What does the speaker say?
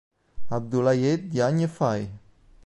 Abdoulaye Diagne-Faye